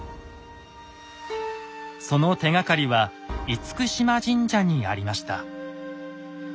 その手がかりは嚴島神社にありました。